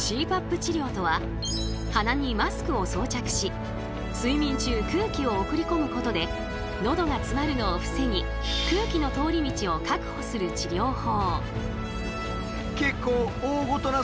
治療とは鼻にマスクを装着し睡眠中空気を送り込むことでのどが詰まるのを防ぎ空気の通り道を確保する治療法。